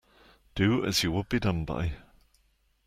Do as you would be done by.